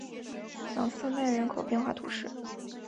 朗瑟奈人口变化图示